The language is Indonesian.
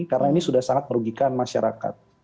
karena ini sudah sangat merugikan masyarakat